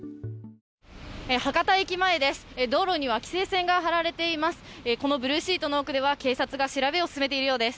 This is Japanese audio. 博多駅前です。